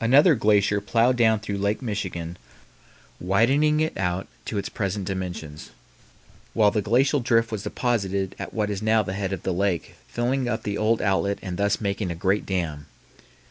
Another glacier plowed down through Lake Michigan, widening it out to its present dimensions, while the glacial drift was deposited at what is now the head of the lake, filling up the old outlet and thus making a great dam.